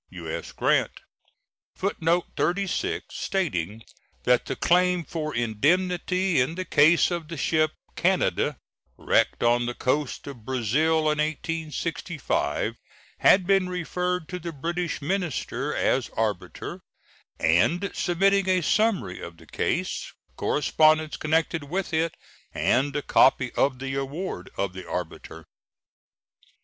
U.S. GRANT. [Footnote 36: Stating that the claim for indemnity in the case of the ship Canada, wrecked on the coast of Brazil in 1865, had been referred to the British minister as arbiter, and submitting a summary of the case, correspondence connected with it, and a copy of the award of the arbiter.